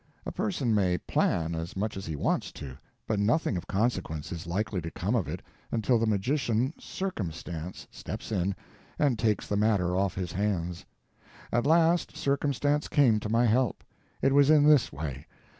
A person may PLAN as much as he wants to, but nothing of consequence is likely to come of it until the magician _circumstance _steps in and takes the matter off his hands. At last Circumstance came to my help. It was in this way.